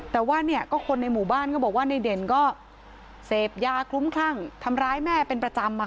แต่ว่าเนี่ยก็คนในหมู่บ้านก็บอกว่าในเด่นก็เสพยาคลุ้มคลั่งทำร้ายแม่เป็นประจำ